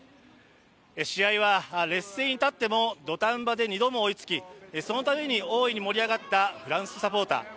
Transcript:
試合は劣勢に立っても土壇場で２度も追いつき、そのたびに大いに盛り上がったフランスサポーター。